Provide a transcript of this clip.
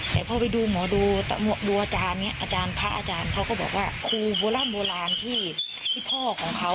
แต่พอไปดูหมอดูอาจารย์เนี่ยอาจารย์พระอาจารย์เขาก็บอกว่าครูโบราณโบราณที่พ่อของเขา